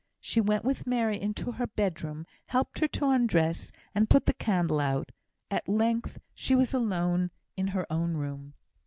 She went with Mary into her bedroom, helped her to undress, and put the candle out. At length she was alone in her own room!